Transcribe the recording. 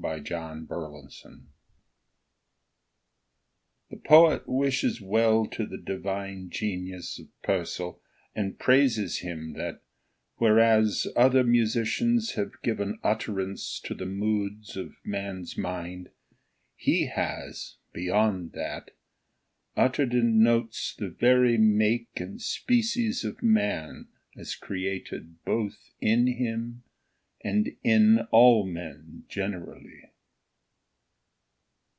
21 Henry Purcell _The poet wishes well to the divine genius of Purcell and praises him that, whereas other musicians have given utterance to the moods of man's mind, he has, beyond that, uttered in notes the very make and species of man as created both in him and in all men generally.